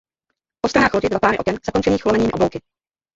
Po stranách lodi dva páry oken zakončených lomenými oblouky.